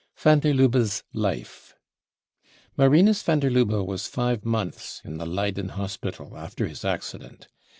Van der Lubbe's Life. Marirrus van der Lubbe was five months in the Leyden Hospital after his accident.